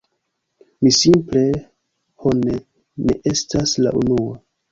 Mi simple... ho, ne, ne estas la unua.